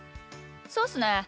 そっすね。